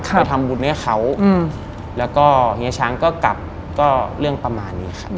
ไปทำบุญให้เขาแล้วก็เฮียช้างก็กลับก็เรื่องประมาณนี้ครับ